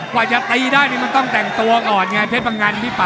กว่าจะตีได้นี่มันต้องแต่งตัวก่อนไงเพชรพังงันพี่ป่า